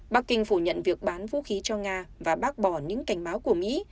bắc kinh phủ nhận việc bán vũ khí cho nga và bác bỏ những cảnh báo của mỹ